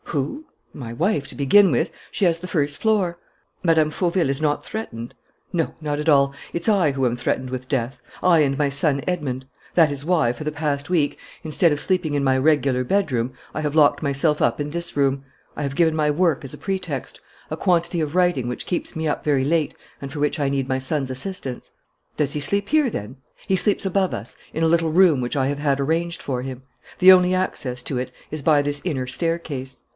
"Who? My wife, to begin with. She has the first floor." "Mme. Fauville is not threatened?" "No, not at all. It's I who am threatened with death; I and my son Edmond. That is why, for the past week, instead of sleeping in my regular bedroom, I have locked myself up in this room. I have given my work as a pretext; a quantity of writing which keeps me up very late and for which I need my son's assistance." "Does he sleep here, then?" "He sleeps above us, in a little room which I have had arranged for him. The only access to it is by this inner staircase."